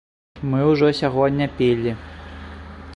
Мы ўжо сягоння пілі.